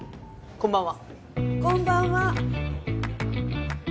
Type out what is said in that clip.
こんばんは。